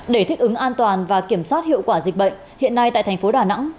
để thích ứng an toàn và kiểm soát hiệu quả dịch bệnh hiện nay tại thành phố đà nẵng